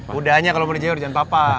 kudanya kalo mau jewer jangan papa